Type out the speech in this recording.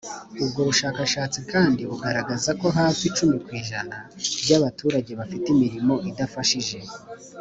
ubwo bushakashatsi kandi bugaragaza ko hafi icumi ku ijana by’abaturage bafite imirimo idafashije,